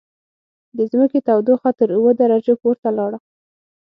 د ځمکې تودوخه تر اووه درجو پورته لاړه.